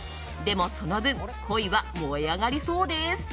でもその分恋は燃え上がりそうです。